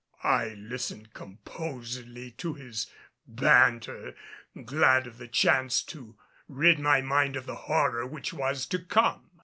I listened composedly to his banter, glad of the chance to rid my mind of the horror which was to come.